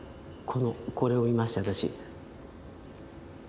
これを見ました私。